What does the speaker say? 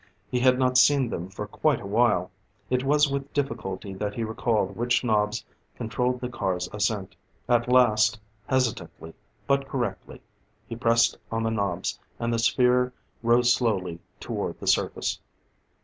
He had not seen them for quite a while; it was with difficulty that he recalled which knobs controlled the car's ascent. At last, hesitantly, but correctly, he pressed on the knobs, and the sphere rose slowly toward the surface.